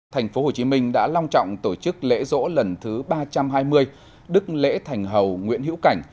thành phố hồ chí minh đã long trọng tổ chức lễ rỗ lần thứ ba trăm hai mươi đức lễ thành hầu nguyễn hữu cảnh